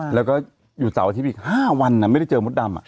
แล้วก็อยู่เสาร์อาทิตย์อีก๕วันไม่ได้เจอมดดำ